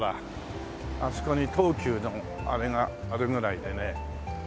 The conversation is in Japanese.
あそこに東急のあれがあるぐらいでね。